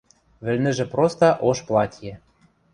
Вӹлнӹжӹ проста ош платье.